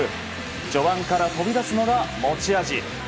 序盤から飛び出すのが持ち味。